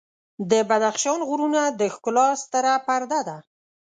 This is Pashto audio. د بدخشان غرونه د ښکلا ستره پرده ده.